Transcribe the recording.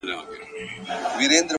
خال دې په خيالونو کي راونغاړه!